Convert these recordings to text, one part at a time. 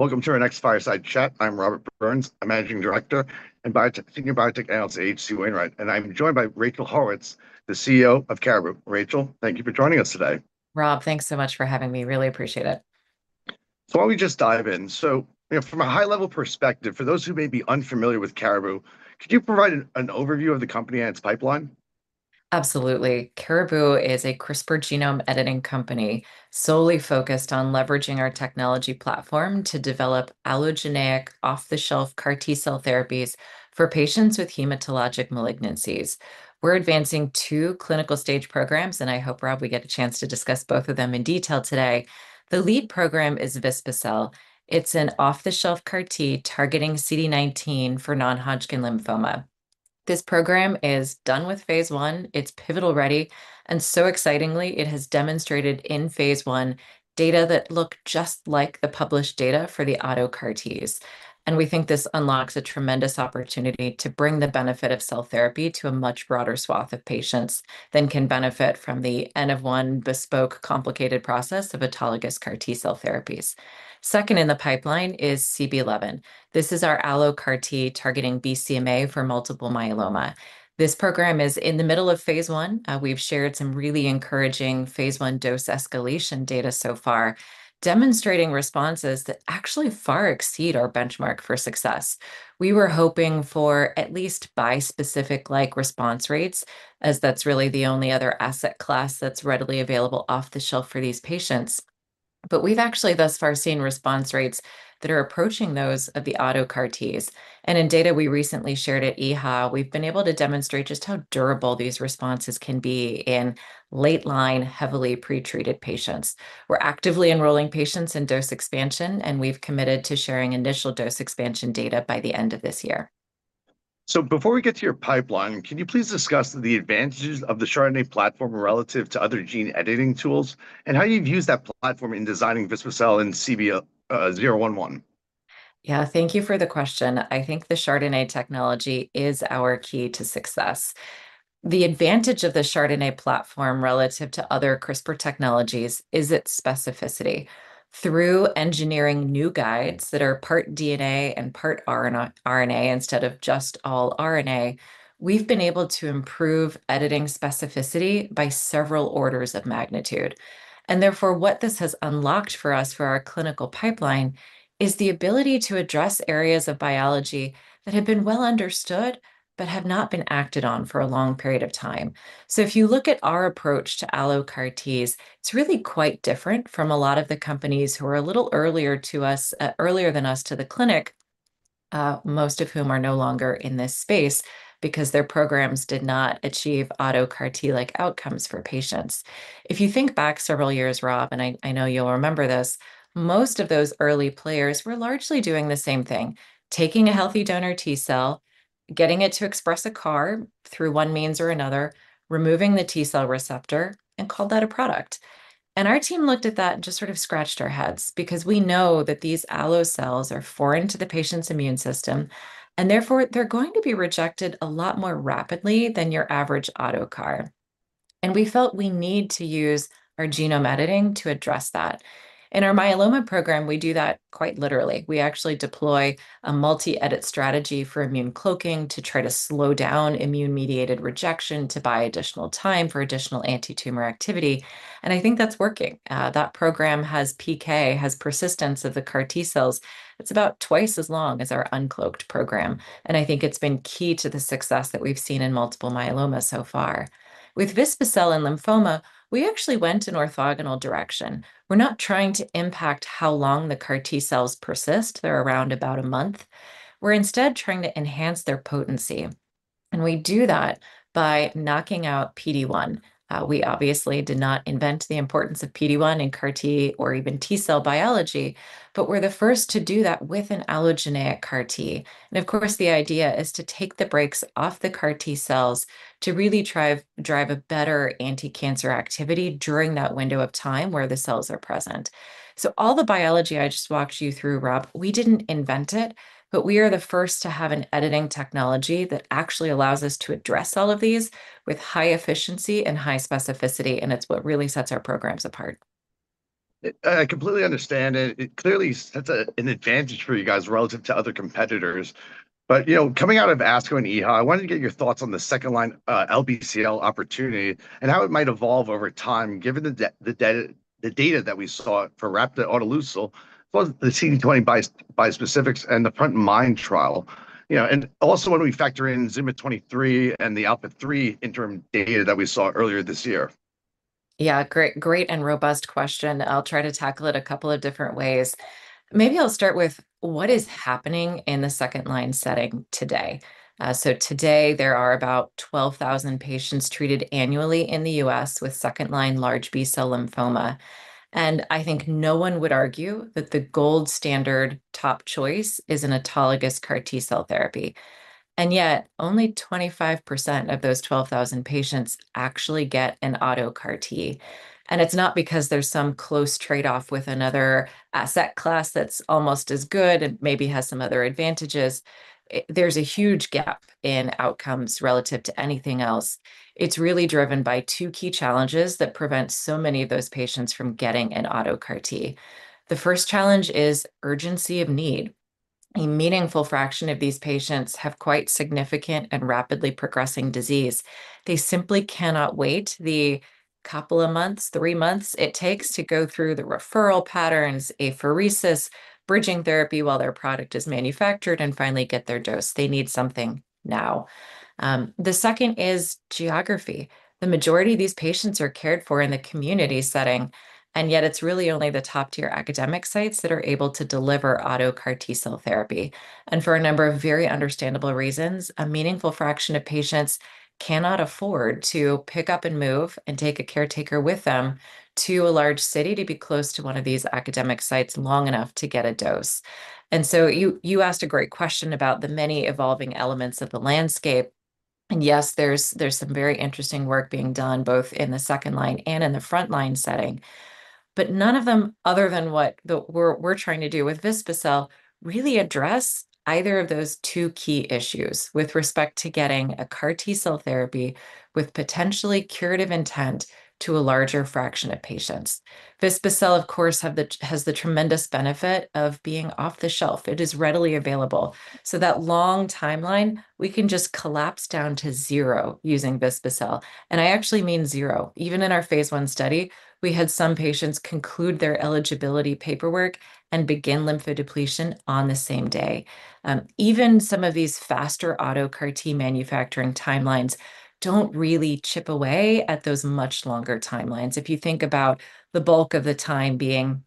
Welcome to our next Fireside Chat. I'm Robert Burns, a managing director and senior biotech analyst at H.C. Wainwright, and I'm joined by Rachel Haurwitz, the CEO of Caribou. Rachel, thank you for joining us today. Rob, thanks so much for having me, really appreciate it. Why don't we just dive in? From a high-level perspective, for those who may be unfamiliar with Caribou, could you provide an overview of the company and its pipeline? Absolutely. Caribou is a CRISPR genome editing company solely focused on leveraging our technology platform to develop allogeneic off-the-shelf CAR T-cell therapies for patients with hematologic malignancies. I hope, Rob, we get a chance to discuss both of them in detail today. The lead program is vispa-cel. It's an off-the-shelf CAR T targeting CD19 for non-Hodgkin lymphoma. This program is done with phase I. It's pivotal ready, excitingly, it has demonstrated in phase I data that look just like the published data for the auto CAR Ts. We think this unlocks a tremendous opportunity to bring the benefit of cell therapy to a much broader swath of patients than can benefit from the N of one bespoke complicated process of autologous CAR T-cell therapies. Second in the pipeline is CB-011. This is our allo CAR T targeting BCMA for multiple myeloma. This program is in the middle of phase I. We've shared some really encouraging phase I dose escalation data so far, demonstrating responses that actually far exceed our benchmark for success. We were hoping for at least bispecific-like response rates, as that's really the only other asset class that's readily available off the shelf for these patients. We've actually thus far seen response rates that are approaching those of the auto CAR Ts. In data we recently shared at EHA, we've been able to demonstrate just how durable these responses can be in late-line, heavily pretreated patients. We're actively enrolling patients in dose expansion, and we've committed to sharing initial dose expansion data by the end of this year. Before we get to your pipeline, can you please discuss the advantages of the chRDNA platform relative to other gene editing tools and how you've used that platform in designing vispa-cel and CB-011? Thank you for the question. I think the chRDNA technology is our key to success. The advantage of the chRDNA platform relative to other CRISPR technologies is its specificity. Through engineering new guides that are part DNA and part RNA instead of just all RNA, we've been able to improve editing specificity by several orders of magnitude. Therefore, what this has unlocked for us for our clinical pipeline is the ability to address areas of biology that have been well understood but have not been acted on for a long period of time. If you look at our approach to allo CAR Ts, it's really quite different from a lot of the companies who are a little earlier than us to the clinic, most of whom are no longer in this space because their programs did not achieve auto CAR T-like outcomes for patients. If you think back several years, Rob, I know you'll remember this, most of those early players were largely doing the same thing, taking a healthy donor T-cell, getting it to express a CAR through one means or another, removing the T-cell receptor, and called that a product. Our team looked at that and just sort of scratched our heads because we know that these allo cells are foreign to the patient's immune system, and therefore they're going to be rejected a lot more rapidly than your average auto CAR. We felt we need to use our genome editing to address that. In our myeloma program, we do that quite literally. We actually deploy a multi-edit strategy for immune cloaking to try to slow down immune-mediated rejection to buy additional time for additional anti-tumor activity. I think that's working. That program has PK, has persistence of the CAR T cells that's about twice as long as our uncloaked program. I think it's been key to the success that we've seen in multiple myeloma so far. With vispa-cel and lymphoma, we actually went an orthogonal direction. We're not trying to impact how long the CAR T cells persist. They're around about a month. We're instead trying to enhance their potency, and we do that by knocking out PD-1. We obviously did not invent the importance of PD-1 in CAR T or even T cell biology, but we're the first to do that with an allogeneic CAR T. Of course, the idea is to take the brakes off the CAR T cells to really drive a better anticancer activity during that window of time where the cells are present. All the biology I just walked you through, Rob, we didn't invent it, but we are the first to have an editing technology that actually allows us to address all of these with high efficiency and high specificity, and it's what really sets our programs apart. I completely understand. It clearly sets an advantage for you guys relative to other competitors. Coming out of ASCO and EHA, I wanted to get your thoughts on the second-line LBCL opportunity and how it might evolve over time given the data that we saw for Rapcabtagene autoleucel for the CD20 bispecifics and the frontMIND trial. Also, when we factor in ZUMA-23 and the ALPHA3 interim data that we saw earlier this year. Great and robust question. I'll try to tackle it a couple of different ways. Maybe I'll start with what is happening in the second line setting today. Today there are about 12,000 patients treated annually in the U.S. with second-line large B-cell lymphoma. I think no one would argue that the gold standard top choice is an autologous CAR T-cell therapy. Yet only 25% of those 12,000 patients actually get an auto CAR T. It's not because there's some close trade-off with another asset class that's almost as good and maybe has some other advantages. There's a huge gap in outcomes relative to anything else. It's really driven by two key challenges that prevent so many of those patients from getting an auto CAR T. The first challenge is urgency of need. A meaningful fraction of these patients have quite significant and rapidly progressing disease. They simply cannot wait the couple of months, three months, it takes to go through the referral patterns, apheresis, bridging therapy while their product is manufactured, and finally get their dose. They need something now. The second is geography. The majority of these patients are cared for in the community setting, yet it's really only the top-tier academic sites that are able to deliver auto CAR T-cell therapy. For a number of very understandable reasons, a meaningful fraction of patients cannot afford to pick up and move and take a caretaker with them to a large city to be close to one of these academic sites long enough to get a dose. You asked a great question about the many evolving elements of the landscape, and yes, there's some very interesting work being done, both in the second-line and in the front-line setting. None of them, other than what we're trying to do with vispa-cel, really address either of those two key issues with respect to getting a CAR T-cell therapy with potentially curative intent to a larger fraction of patients. Vispa-cel, of course, has the tremendous benefit of being off-the-shelf. It is readily available, so that long timeline, we can just collapse down to zero using vispa-cel, and I actually mean zero. Even in our phase I study, we had some patients conclude their eligibility paperwork and begin lymphodepletion on the same day. Even some of these faster auto CAR T-manufacturing timelines don't really chip away at those much longer timelines. If you think about the bulk of the time being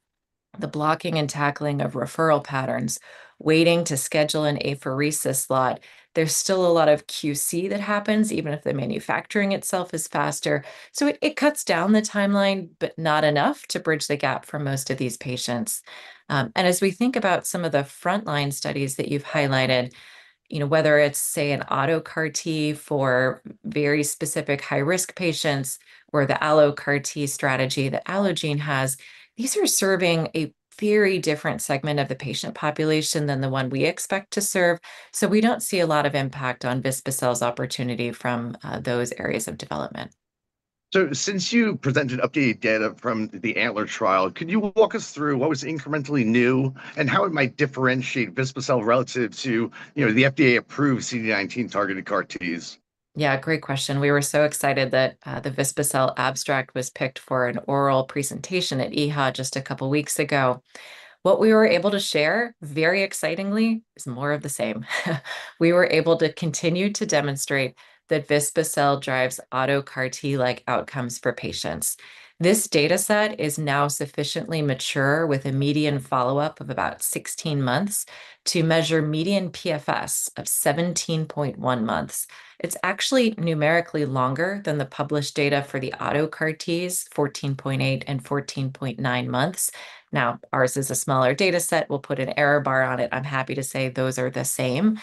the blocking and tackling of referral patterns, waiting to schedule an apheresis slot, there's still a lot of QC that happens, even if the manufacturing itself is faster. It cuts down the timeline, but not enough to bridge the gap for most of these patients. As we think about some of the front-line studies that you've highlighted, whether it's, say, an auto CAR T for very specific high-risk patients or the allo CAR T strategy that Allogene has, these are serving a very different segment of the patient population than the one we expect to serve. We don't see a lot of impact on vispa-cel's opportunity from those areas of development. Since you presented updated data from the ANTLER trial, can you walk us through what was incrementally new and how it might differentiate vispa-cel relative to the FDA-approved CD19-targeted CAR Ts? Yeah, great question. We were so excited that the vispa-cel abstract was picked for an oral presentation at EHA just a couple of weeks ago. What we were able to share, very excitingly, is more of the same. We were able to continue to demonstrate that vispa-cel drives auto CAR T-like outcomes for patients. This dataset is now sufficiently mature, with a median follow-up of about 16 months to measure median PFS of 17.1 months. It's actually numerically longer than the published data for the auto CAR Ts, 14.8 and 14.9 months. Ours is a smaller dataset. We'll put an error bar on it. I'm happy to say those are the same,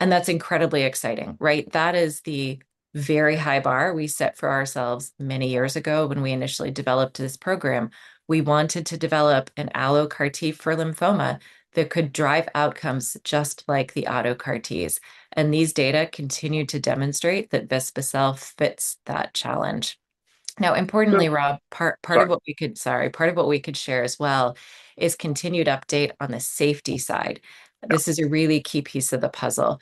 and that's incredibly exciting. That is the very high bar we set for ourselves many years ago when we initially developed this program. We wanted to develop an allo CAR T for lymphoma that could drive outcomes just like the auto CAR Ts, and these data continue to demonstrate that vispa-cel fits that challenge. Importantly, Rob- Sorry sorry. Part of what we could share as well is continued update on the safety side. Yeah. This is a really key piece of the puzzle.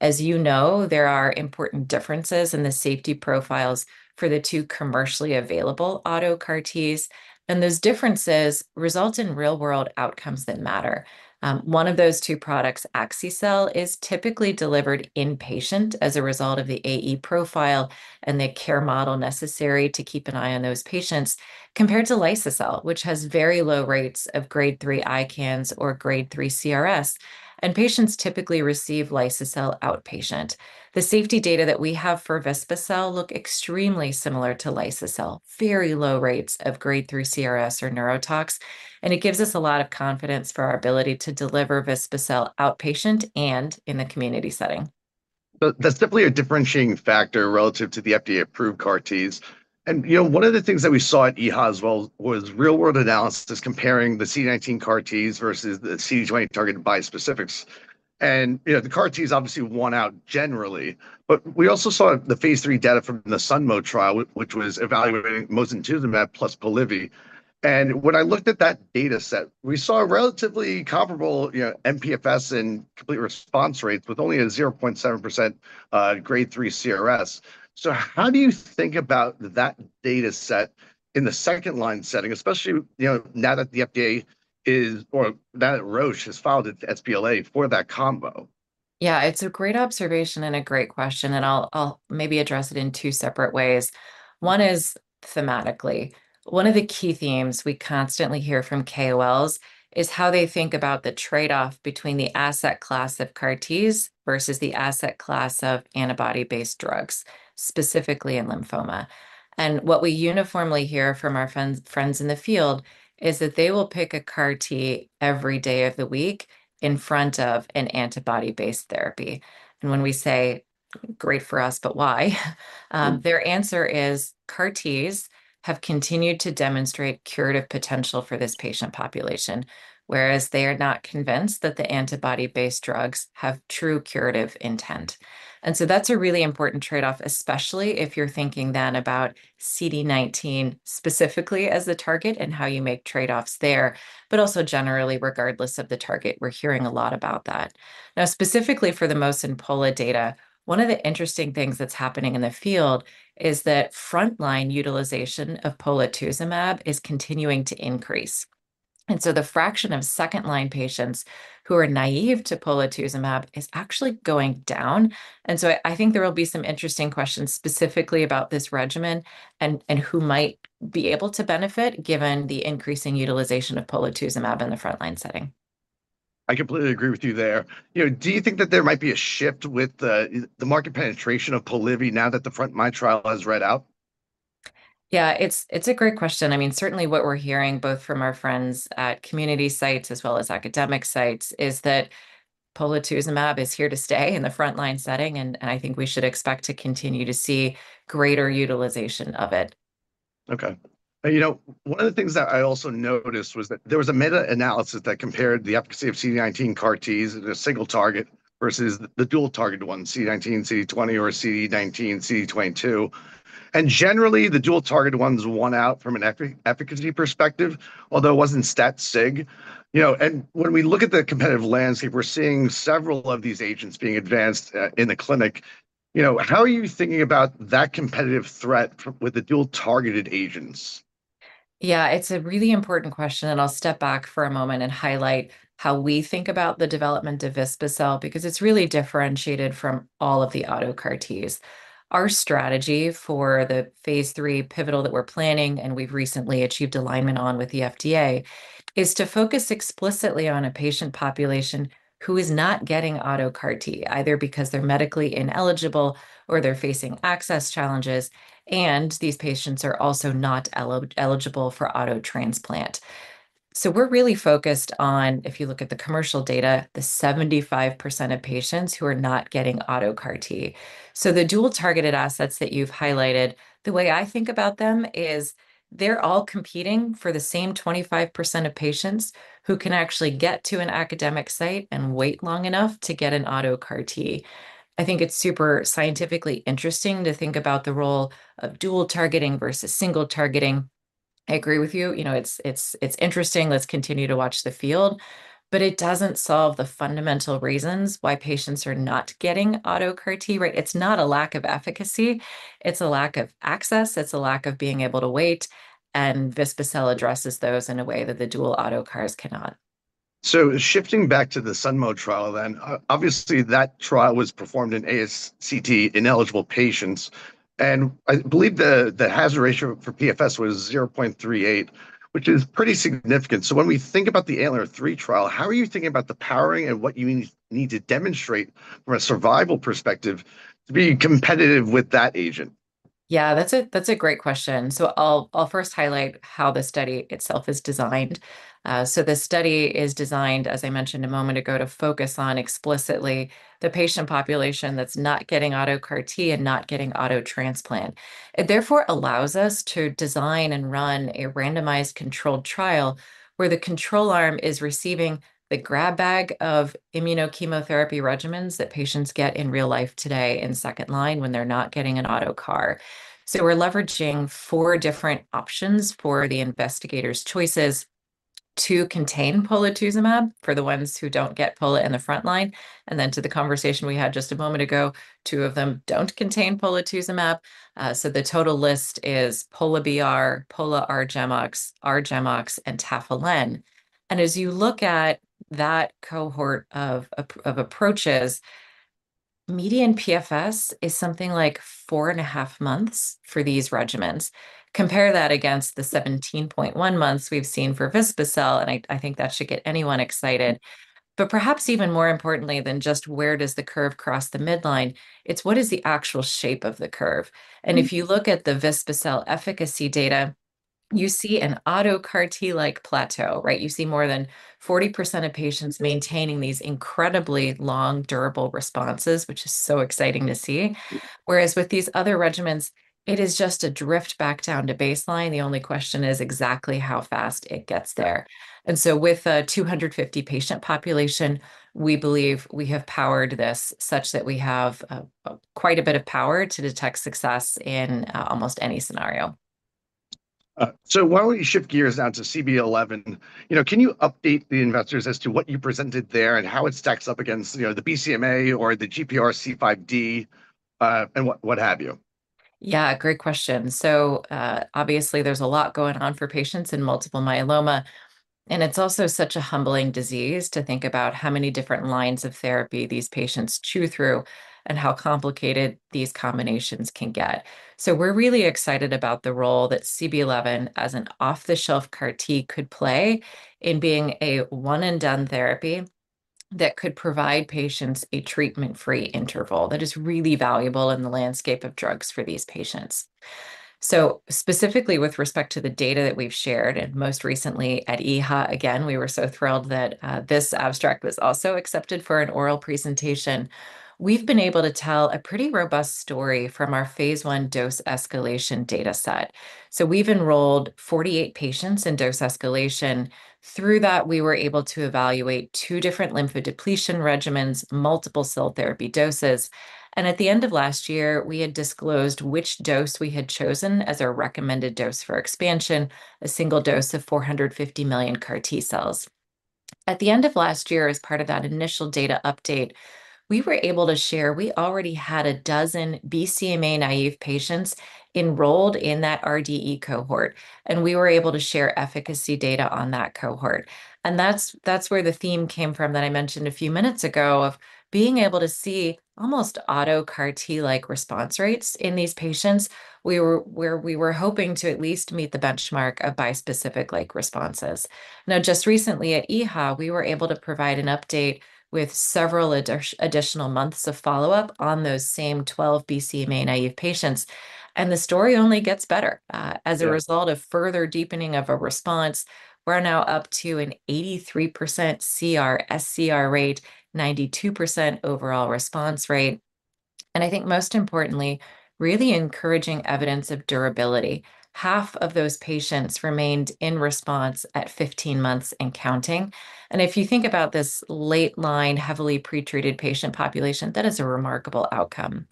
As you know, there are important differences in the safety profiles for the two commercially available auto CAR Ts, and those differences result in real-world outcomes that matter. One of those two products, axi-cel, is typically delivered inpatient as a result of the AE profile and the care model necessary to keep an eye on those patients, compared to liso-cel, which has very low rates of Grade 3 ICANS or Grade 3 CRS. Patients typically receive liso-cel outpatient. The safety data that we have for vispa-cel look extremely similar to liso-cel. Very low rates of Grade 3 CRS or neurotoxicity, and it gives us a lot of confidence for our ability to deliver vispa-cel outpatient and in the community setting. That's definitely a differentiating factor relative to the FDA-approved CAR Ts. One of the things that we saw at EHA as well was real-world analysis comparing the CD19 CAR Ts versus the CD20-targeted bispecifics. The CAR Ts obviously won out generally, but we also saw the phase III data from the SUNMO trial, which was evaluating mosunetuzumab plus Polivy. When I looked at that dataset, we saw relatively comparable mPFS and complete response rates with only a 0.7% Grade 3 CRS. How do you think about that dataset in the second-line setting, especially now that Roche has filed its sBLA for that combo? It's a great observation and a great question, I'll maybe address it in two separate ways. One is thematically. One of the key themes we constantly hear from KOLs is how they think about the trade-off between the asset class of CAR Ts versus the asset class of antibody-based drugs, specifically in lymphoma. What we uniformly hear from our friends in the field is that they will pick a CAR T every day of the week in front of an antibody-based therapy. When we say, "Great for us, but why?" Their answer is CAR Ts have continued to demonstrate curative potential for this patient population, whereas they are not convinced that the antibody-based drugs have true curative intent. That's a really important trade-off, especially if you're thinking then about CD19 specifically as the target and how you make trade-offs there, but also generally, regardless of the target. We're hearing a lot about that. Specifically, for the Mosun-Pola data, one of the interesting things that's happening in the field is that front-line utilization of polatuzumab is continuing to increase. The fraction of second-line patients who are naive to polatuzumab is actually going down. I think there will be some interesting questions specifically about this regimen and who might be able to benefit, given the increasing utilization of polatuzumab in the frontline setting. I completely agree with you there. Do you think that there might be a shift with the market penetration of Polivy now that the frontMIND trial has read out? Yeah. It's a great question. Certainly, what we're hearing, both from our friends at community sites as well as academic sites, is that polatuzumab is here to stay in the frontline setting, and I think we should expect to continue to see greater utilization of it. Okay. One of the things that I also noticed was that there was a meta-analysis that compared the efficacy of CD19 CAR Ts in a single target versus the dual targeted one, CD19, CD20, or CD19, CD22. Generally, the dual targeted ones won out from an efficacy perspective, although it wasn't stat sig. When we look at the competitive landscape, we're seeing several of these agents being advanced in the clinic. How are you thinking about that competitive threat with the dual targeted agents? Yeah. It's a really important question, and I'll step back for a moment and highlight how we think about the development of vispa-cel, because it's really differentiated from all of the auto CAR Ts. Our strategy for the phase III pivotal that we're planning, and we've recently achieved alignment on with the FDA, is to focus explicitly on a patient population who is not getting auto CAR T, either because they're medically ineligible or they're facing access challenges, and these patients are also not eligible for auto transplant. We're really focused on, if you look at the commercial data, the 75% of patients who are not getting auto CAR T. The dual targeted assets that you've highlighted, the way I think about them is they're all competing for the same 25% of patients who can actually get to an academic site and wait long enough to get an auto CAR T. I think it's super scientifically interesting to think about the role of dual targeting versus single targeting. I agree with you. It's interesting. Let's continue to watch the field. It doesn't solve the fundamental reasons why patients are not getting auto CAR T. It's not a lack of efficacy. It's a lack of access. It's a lack of being able to wait, and vispa-cel addresses those in a way that the dual auto CARs cannot. Shifting back to the SUNMO trial. Obviously, that trial was performed in ASCT-ineligible patients. I believe the hazard ratio for PFS was 0.38, which is pretty significant. When we think about the ANTLER trial, how are you thinking about the powering and what you need to demonstrate from a survival perspective to be competitive with that agent? Yeah, that's a great question. I'll first highlight how the study itself is designed. The study is designed, as I mentioned a moment ago, to focus on explicitly the patient population that's not getting auto CAR T and not getting auto transplant. It therefore allows us to design and run a randomized controlled trial where the control arm is receiving the grab bag of immuno-chemotherapy regimens that patients get in real life today in second line when they're not getting an auto CAR. We're leveraging four different options for the investigators' choices to contain polatuzumab for the ones who don't get pola in the front line. To the conversation we had just a moment ago, two of them don't contain polatuzumab. The total list is pola-BR, pola-R-GemOx, R-GemOx, and tafalen. As you look at that cohort of approaches, median PFS is something like 4.5 months for these regimens. Compare that against the 17.1 months we've seen for vispa-cel, I think that should get anyone excited. Perhaps even more importantly than just where does the curve cross the midline, it's what is the actual shape of the curve. If you look at the vispa-cel efficacy data, you see an auto CAR T-like plateau. You see more than 40% of patients maintaining these incredibly long, durable responses, which is so exciting to see. Whereas with these other regimens, it is just a drift back down to baseline. The only question is exactly how fast it gets there. With a 250-patient population, we believe we have powered this such that we have quite a bit of power to detect success in almost any scenario. Why don't we shift gears now to CB-011. Can you update the investors as to what you presented there and how it stacks up against the BCMA or the GPRC5D, what have you? Great question. Obviously, there's a lot going on for patients in multiple myeloma, and it's also such a humbling disease to think about how many different lines of therapy these patients chew through and how complicated these combinations can get. We're really excited about the role that CB-011, as an off-the-shelf CAR T, could play in being a one-and-done therapy that could provide patients a treatment-free interval. That is really valuable in the landscape of drugs for these patients. Specifically with respect to the data that we've shared, and most recently at EHA, again, we were so thrilled that this abstract was also accepted for an oral presentation. We've been able to tell a pretty robust story from our phase I dose escalation data set. We've enrolled 48 patients in dose escalation. Through that, we were able to evaluate two different lymphodepletion regimens, multiple cell therapy doses, and at the end of last year, we had disclosed which dose we had chosen as our recommended dose for expansion, a single dose of 450 million CAR T cells. At the end of last year, as part of that initial data update, we were able to share, we already had a dozen BCMA-naive patients enrolled in that RDE cohort, and we were able to share efficacy data on that cohort. That's where the theme came from that I mentioned a few minutes ago of being able to see almost auto CAR T-like response rates in these patients, where we were hoping to at least meet the benchmark of bispecific-like responses. Just recently at EHA, we were able to provide an update with several additional months of follow-up on those same 12 BCMA-naive patients. The story only gets better. Yeah. As a result of further deepening of a response, we're now up to an 83% CR, SCR rate, 92% overall response rate, and I think most importantly, really encouraging evidence of durability. Half of those patients remained in response at 15 months and counting. If you think about this late-line, heavily pre-treated patient population, that is a remarkable outcome.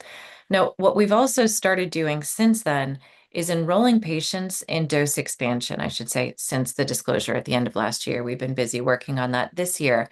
What we've also started doing since then is enrolling patients in dose expansion. I should say since the disclosure at the end of last year, we've been busy working on that this year.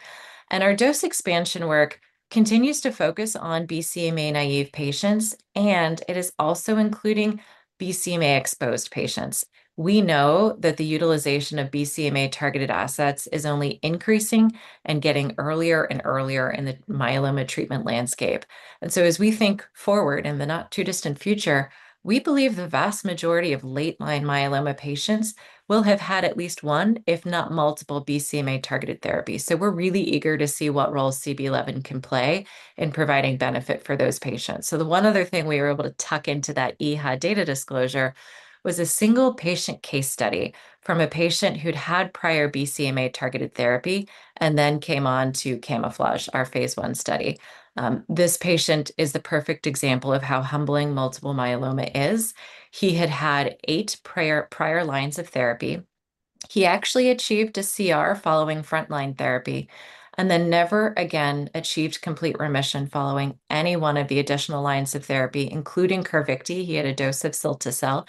Our dose expansion work continues to focus on BCMA-naive patients, and it is also including BCMA-exposed patients. We know that the utilization of BCMA-targeted assets is only increasing and getting earlier and earlier in the myeloma treatment landscape. As we think forward in the not-too-distant future, we believe the vast majority of late-line myeloma patients will have had at least one, if not multiple, BCMA-targeted therapies. We're really eager to see what role CB-011 can play in providing benefit for those patients. The one other thing we were able to tuck into that EHA data disclosure was a single-patient case study from a patient who'd had prior BCMA-targeted therapy and then came on to CaMMouflage, our phase I study. This patient is the perfect example of how humbling multiple myeloma is. He had had 8 prior lines of therapy. He actually achieved a CR following frontline therapy and then never again achieved complete remission following any one of the additional lines of therapy, including CARVYKTI. He had a dose of cilta-cel,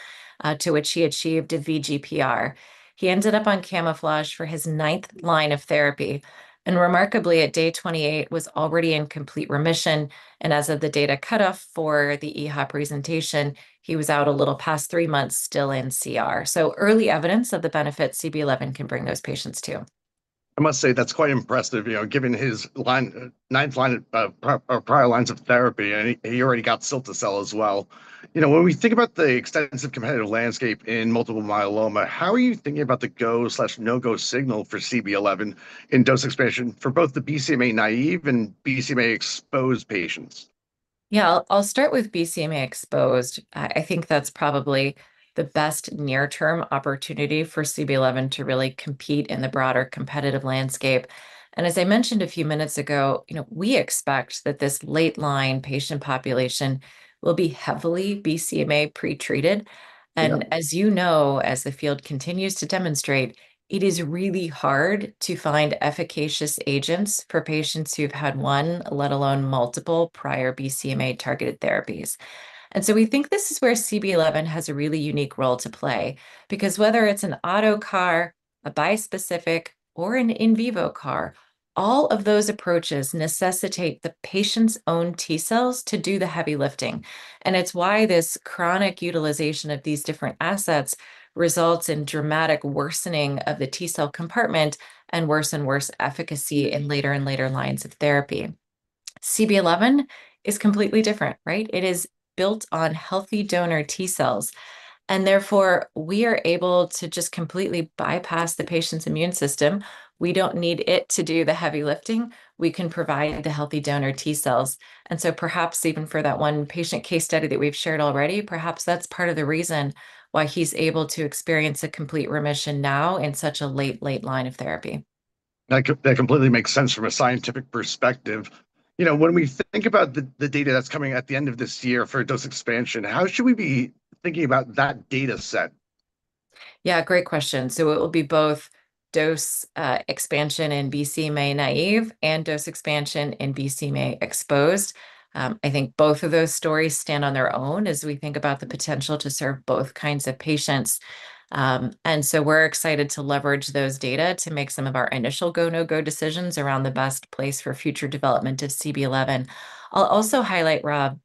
to which he achieved a VGPR. He ended up on CaMMouflage for his ninth line of therapy, and remarkably, at day 28, was already in complete remission. As of the data cutoff for the EHA presentation, he was out a little past three months, still in CR. Early evidence of the benefit CB-011 can bring those patients, too. I must say that's quite impressive, given his ninth line of prior lines of therapy, and he already got cilta-cel as well. When we think about the extensive competitive landscape in multiple myeloma, how are you thinking about the go/no-go signal for CB-011 in dose expansion for both the BCMA-naive and BCMA-exposed patients? I'll start with BCMA-exposed. I think that's probably the best near-term opportunity for CB-011 to really compete in the broader competitive landscape. As I mentioned a few minutes ago, we expect that this late-line patient population will be heavily BCMA pre-treated. Yeah. As you know, as the field continues to demonstrate, it is really hard to find efficacious agents for patients who've had one, let alone multiple, prior BCMA-targeted therapies. We think this is where CB-011 has a really unique role to play because whether it's an auto CAR, a bispecific, or an in vivo CAR, all of those approaches necessitate the patient's own T-cells to do the heavy lifting. It's why this chronic utilization of these different assets results in dramatic worsening of the T-cell compartment and worse and worse efficacy in later and later lines of therapy. CB-011 is completely different. It is built on healthy donor T-cells, and therefore, we are able to just completely bypass the patient's immune system. We don't need it to do the heavy lifting. We can provide the healthy donor T-cells. Perhaps even for that one patient case study that we've shared already, perhaps that's part of the reason why he's able to experience a complete remission now in such a late line of therapy. That completely makes sense from a scientific perspective. When we think about the data that's coming at the end of this year for dose expansion, how should we be thinking about that data set? Great question. It will be both dose expansion in BCMA-naive and dose expansion in BCMA-exposed. I think both of those stories stand on their own as we think about the potential to serve both kinds of patients. We're excited to leverage those data to make some of our initial go, no-go decisions around the best place for future development of CB-011. I'll also highlight, Rob,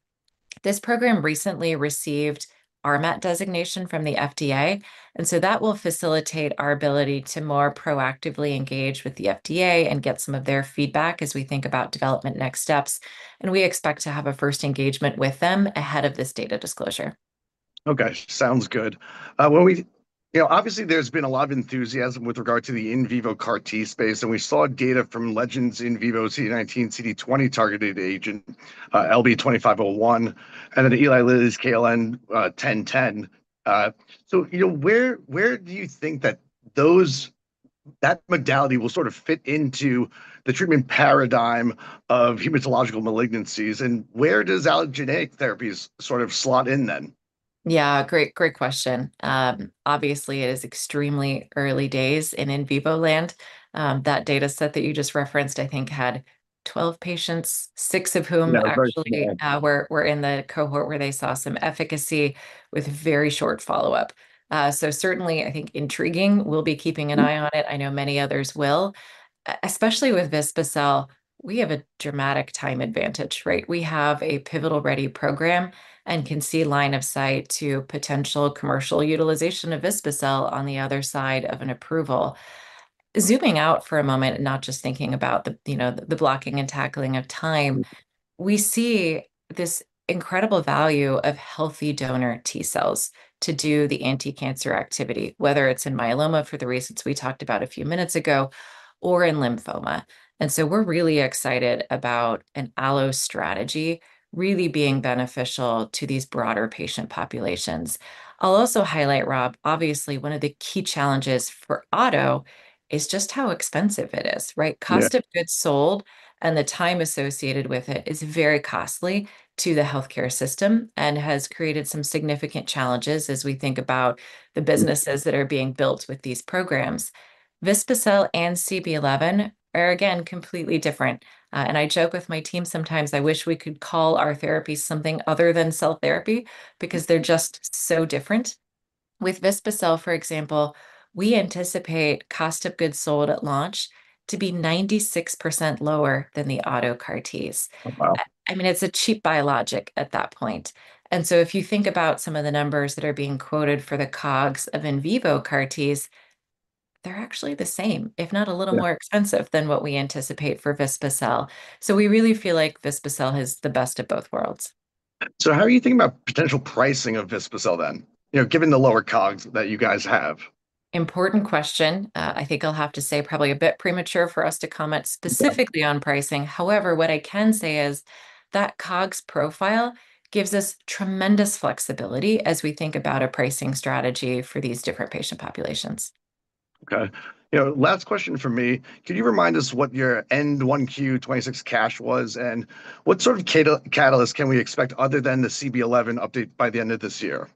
this program recently received RMAT designation from the FDA, that will facilitate our ability to more proactively engage with the FDA and get some of their feedback as we think about development next steps. We expect to have a first engagement with them ahead of this data disclosure. Okay. Sounds good. Obviously, there's been a lot of enthusiasm with regard to the in vivo CAR T space, and we saw data from Legend Biotech's in vivo CD19/CD20-targeted agent, LB2501, and then Eli Lilly's KLN-1010. Where do you think that that modality will fit into the treatment paradigm of hematologic malignancies, and where does allogeneic therapies slot in then? Yeah, great question. Obviously, it is extremely early days in in vivo land. That data set that you just referenced, I think had 12 patients, six of whom actually. Yeah. Very few. were in the cohort where they saw some efficacy with very short follow-up. Certainly, I think intriguing. We'll be keeping an eye on it. I know many others will. Especially with vispa-cel, we have a dramatic time advantage, right? We have a pivotal-ready program and can see line of sight to potential commercial utilization of vispa-cel on the other side of an approval. Zooming out for a moment, not just thinking about the blocking and tackling of time, we see this incredible value of healthy donor T cells to do the anticancer activity, whether it's in myeloma for the reasons we talked about a few minutes ago, or in lymphoma. We're really excited about an allo strategy really being beneficial to these broader patient populations. I'll also highlight, Rob, obviously one of the key challenges for auto is just how expensive it is, right? Yeah. Cost of goods sold and the time associated with it is very costly to the healthcare system and has created some significant challenges as we think about the businesses that are being built with these programs. vispa-cel and CB-011 are, again, completely different. I joke with my team sometimes I wish we could call our therapy something other than cell therapy because they're just so different. With vispa-cel, for example, we anticipate cost of goods sold at launch to be 96% lower than the auto CAR Ts. Oh, wow. It's a cheap biologic at that point. If you think about some of the numbers that are being quoted for the COGS of in vivo CAR Ts, they're actually the same, if not a little more- Yeah expensive than what we anticipate for vispa-cel. We really feel like vispa-cel has the best of both worlds. How are you thinking about potential pricing of vispa-cel then, given the lower COGS that you guys have? Important question. I think I'll have to say probably a bit premature for us to comment specifically on pricing. However, what I can say is that COGS profile gives us tremendous flexibility as we think about a pricing strategy for these different patient populations. Okay. Last question from me. Could you remind us what your end 1Q26 cash was, and what sort of catalyst can we expect other than the CB-011 update by the end of this year?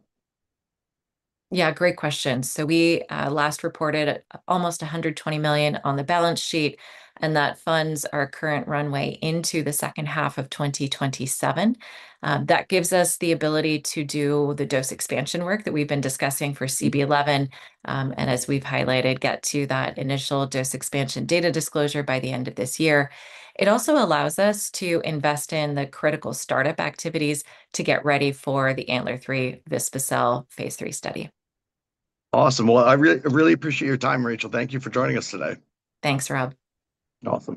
Yeah, great question. We last reported almost $120 million on the balance sheet, and that funds our current runway into the second half of 2027. That gives us the ability to do the dose expansion work that we've been discussing for CB-011, and as we've highlighted, get to that initial dose expansion data disclosure by the end of this year. It also allows us to invest in the critical startup activities to get ready for the ANTLER-3 vispa-cel phase III study. Awesome. Well, I really appreciate your time, Rachel. Thank you for joining us today. Thanks, Rob. Awesome.